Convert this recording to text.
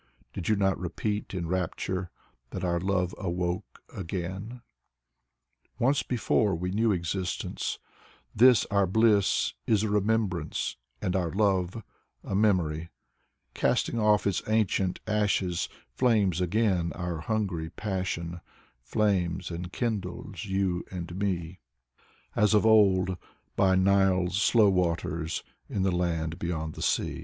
Did you not repeat in rapture that our love awoke again ? Once before, we knew existence, this our bliss is a remem brance, and our love — a memory; Casting off its ancient ashes, flames again our hungry passion, flames and kindles you and me, — As of old, by Nile's slow waters, in the land beyond the sea.